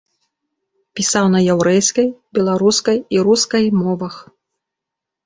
Пісаў на яўрэйскай, беларускай і рускай мовах.